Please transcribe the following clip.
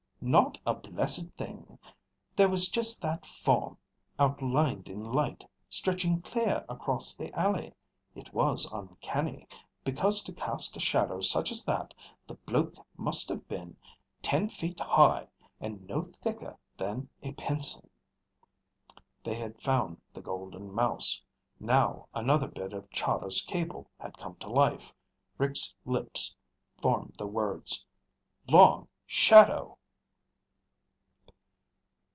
"Not a blessed thing. There was just that form, outlined in light, stretching clear across the alley. It was uncanny, because to cast a shadow such as that the bloke must have been ten feet high and no thicker than a pencil!" They had found the Golden Mouse. Now another bit of Chahda's cable had come to life. Rick's lips formed the words. "Long Shadow!"